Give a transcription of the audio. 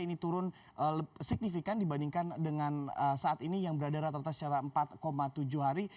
ini turun signifikan dibandingkan dengan saat ini yang berada rata rata secara empat tujuh hari